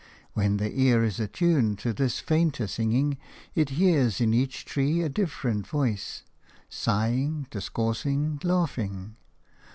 When the ear is attuned to this fainter singing, it hears in each tree a different voice, sighing, discoursing, laughing.